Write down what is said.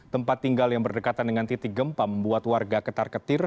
tempat tinggal yang berdekatan dengan titik gempa membuat warga ketar ketir